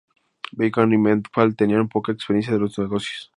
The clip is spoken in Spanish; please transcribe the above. Beecham y Metcalfe tenían poca experiencia en los negocios.